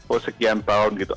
oh sekian tahun gitu